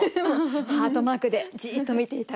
ハートマークでじっと見ていた歌ですね。